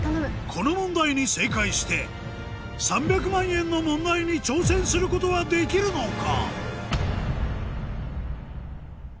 この問題に正解して３００万円の問題に挑戦することはできるのか？